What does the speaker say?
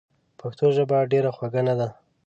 پښتو ژبه ډېره خوږه نده؟!